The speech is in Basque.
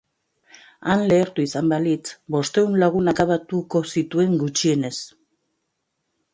Han lehertu izan balitz, bostehun lagun akabatuko zituen gutxienez.